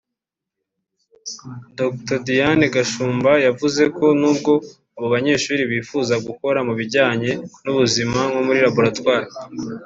Dr Diane Gashumba yavuze ko nubwo abo banyeshuri bifuza gukora mu bijyanye n’ubuzima nko muri Laboratwari